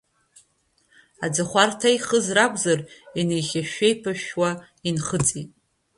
Аӡахәарҭа ихыз ракәзар, еихьышәшәа-еиԥышәшәа инхыҵит.